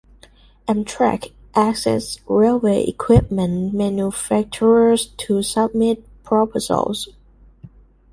Amtrak asked railway equipment manufacturers to submit proposals.